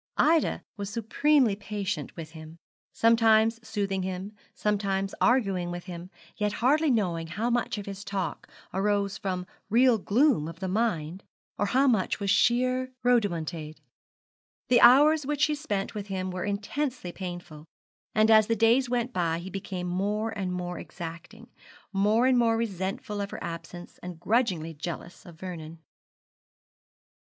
Ida was supremely patient with him, sometimes soothing him, sometimes arguing with him; yet hardly knowing how much of his talk arose from real gloom of mind, or how much was sheer rhodomontade. The hours which she spent with him were intensely painful, and as the days went by he became more and more exacting, more and more resentful of her absence, and grudgingly jealous of Vernon.